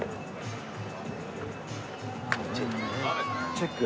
チェック？